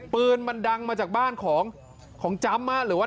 ปืนมันดังมาจากบ้านของจำหรือว่า